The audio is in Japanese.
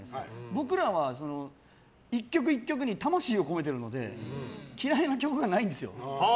僕らは１曲１曲に魂を込めてるので嫌いな曲がないんですよ。